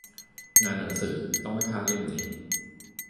งานหนังสือ ต้องไม่พลาดเล่มนี้ !